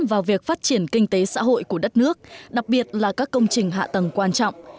vào việc phát triển kinh tế xã hội của đất nước đặc biệt là các công trình hạ tầng quan trọng